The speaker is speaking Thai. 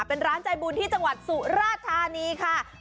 เป็นร้านใจบุญที่จังหวัดสุราธานีค่ะ